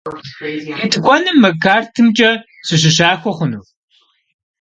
Фи тыкуэным мы картымкӏэ сыщыщахуэ хъуну?